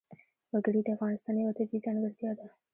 وګړي د افغانستان یوه طبیعي ځانګړتیا ده.